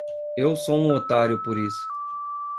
Eu sou um otário por isso.